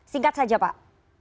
singkat saja pak